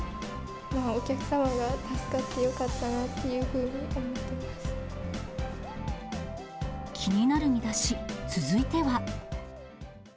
お客様が助かってよかったなって気になるミダシ、続いては。